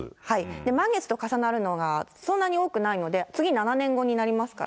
満月と重なるのがそんなに多くないので、次、７年後になりますから。